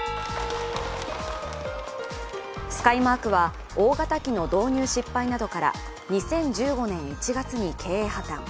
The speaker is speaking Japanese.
スカイマークは大型機の導入失敗などから２０１５年１月に経営破綻。